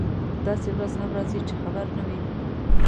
داسې ورځ هم راځي چې خبر نه وي.